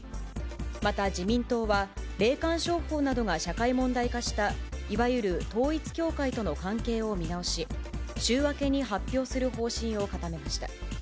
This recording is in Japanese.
また、自民党は霊感商法などが社会問題化した、いわゆる統一教会との関係を見直し、週明けに発表する方針を固めました。